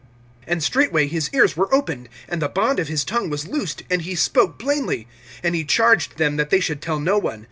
(35)And straightway his ears were opened, and the bond of his tongue was loosed, and he spoke plainly. (36)And he charged them that they should tell no one.